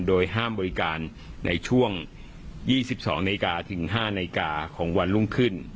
โดยห้ามบริการในช่วง๒๒นาฬิกาถึง๕นาฬิกาของวันรุ่งขึ้น